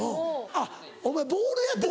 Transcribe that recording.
あっお前ボールやってたん。